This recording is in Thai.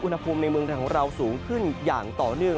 อุณหภูมิในเมืองไทยของเราสูงขึ้นอย่างต่อเนื่อง